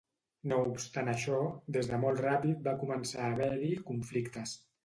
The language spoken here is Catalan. No obstant això, des de molt ràpid va començar a haver-hi conflictes.